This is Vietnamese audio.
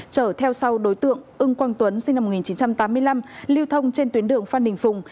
chở theo sau đối tượng ưng quang tuấn sinh năm một nghìn chín trăm tám mươi năm lưu thông trên tuyến đường phan đình phùng